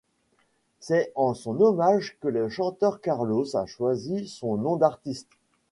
C'est en son hommage que le chanteur Carlos a choisi son nom d'artiste.